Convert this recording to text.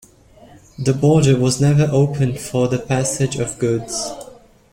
The border was never opened for the passage of goods.